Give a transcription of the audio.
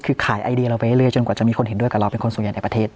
คือขายไอเดียเราไปเรื่อยจนกว่าจะมีคนเห็นด้วยกับเราเป็นคนส่วนใหญ่ในประเทศ